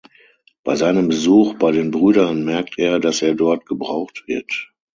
Bei seinem Besuch bei den Brüdern merkt er, dass er dort gebraucht wird.